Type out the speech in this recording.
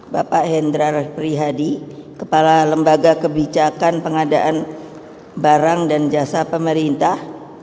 bapak hendrar prihadi kepala lembaga kebijakan pengadaan barang dan jasa pemerintah